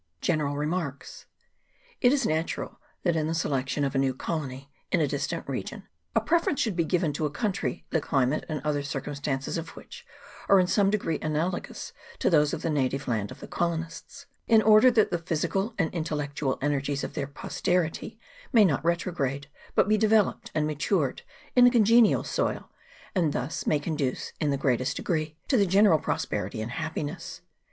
GENERAL REMARKS. IT is natural that in the selection of a new colony, in a distant region, a preference should be given to a country the climate and other circumstances of which are in some degree analogous to those of the native land of the colonists, in order that the phy sical and intellectual energies of their posterity may not retrograde, but be developed and matured in a congenial soil, and thus may conduce in the greatest degree to the general prosperity and happiness.